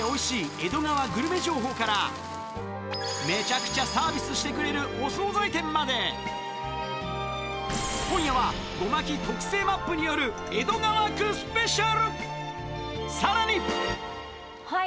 江戸川グルメ情報からめちゃくちゃサービスしてくれる今夜はゴマキ特製マップによる江戸川区スペシャルさらに！